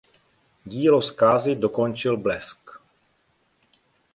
Dílo zkázy dokončil blesk.